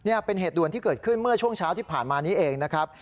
นี่เป็นเหตุด่วนที่เกิดขึ้นเมื่อช่วงเช้าที่ผ่านมานี้เองนะครับ